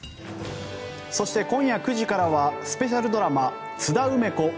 そして、今夜９時からはスペシャルドラマ「津田梅子